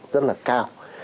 rất là cao